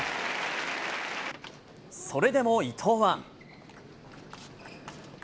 それでも伊藤は。